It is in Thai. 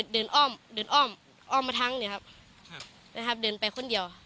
เดินอ้อมเดินอ้อมอ้อมมาทั้งเนี่ยครับนะครับเดินไปคนเดียว